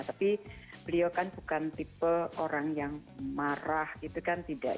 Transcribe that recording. tapi beliau kan bukan tipe orang yang marah gitu kan tidak